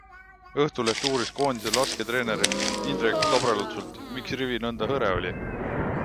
Õhtuleht uuris koondise lasketreenerilt Indrek Tobrelutsult, miks rivi nõnda hõre oli?